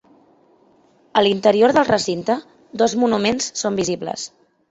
A l'interior del recinte, dos monuments són visibles.